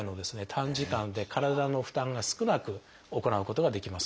短時間で体の負担が少なく行うことができます。